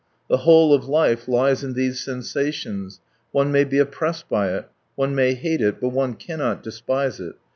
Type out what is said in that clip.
The whole of life lies in these sensations; one may be oppressed by it, one may hate it, but one cannot despise it.